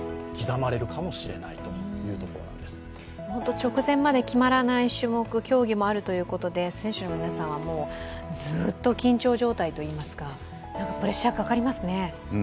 直前まで決まらない種目、競技もあるということで選手の皆さんは、ずっと緊張状態といいますかプレッシャーかかりますね。